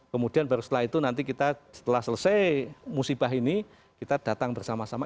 kemudian baru setelah itu nanti kita setelah selesai musibah ini kita datang bersama sama